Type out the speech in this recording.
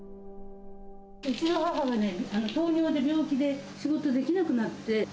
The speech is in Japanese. うちの母がね、糖尿で、病気で仕事できなくなって。